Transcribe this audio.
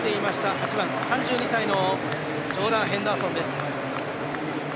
８番、３２歳のジョーダン・ヘンダーソンです。